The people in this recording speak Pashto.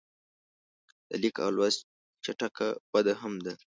د لیک او لوست چټکه وده هم ده.